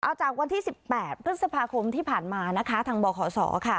เอาจากวันที่๑๘พฤษภาคมที่ผ่านมานะคะทางบขศค่ะ